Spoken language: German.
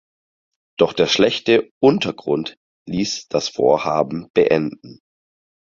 Doch der schlechte Untergrund ließ das Vorhaben beenden.